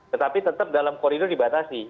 tetapi tetap dalam koridor dibatasi